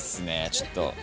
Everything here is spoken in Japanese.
ちょっと。